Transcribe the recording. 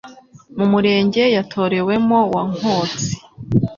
mu murenge yatorewemo wa Nkotsi,